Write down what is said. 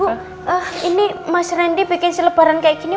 bu ini mas randy bikin selebaran kayak gini